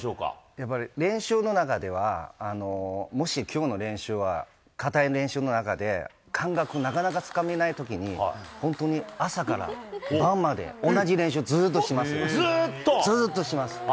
やっぱり練習の中では、もしきょうの練習は、かたい練習の中で、感覚なかなかつかめないときに、本当に、朝から晩まで、ずーっと？ずーっとします。